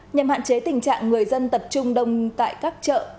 nhằm hạn chế tình trạng người dân tập trung đông tại các chợ